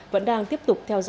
vẫn đang tiếp tục theo dõi